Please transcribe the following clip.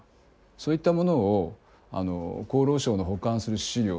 そういったものを厚労省の保管する資料ですね